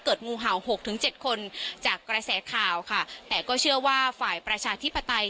งูเห่าหกถึงเจ็ดคนจากกระแสข่าวค่ะแต่ก็เชื่อว่าฝ่ายประชาธิปไตย